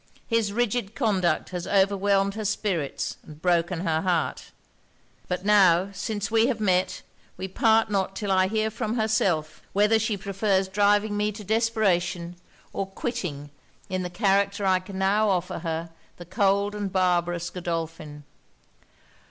His rigid conduct has overwhelmed her spirits and broken her heart. But now, since we have met, we part not till I hear from herself whether she prefers driving me to desperation, or quitting, in the character I can now offer her, the cold and barbarous Godolphin.'